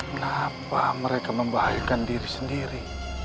kenapa mereka membahayakan diri sendiri